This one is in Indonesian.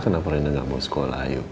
kenapa rena gak mau sekolah